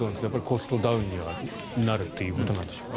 コストダウンにはなるということなんでしょうか。